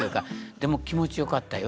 でも気持ち良かったよ。